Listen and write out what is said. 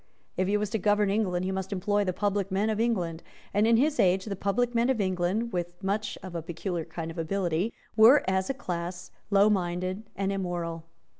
If he was to govern England he must employ the public men of England; and in his age, the public men of England, with much of a peculiar kind of ability, were, as a class, lowminded and immoral.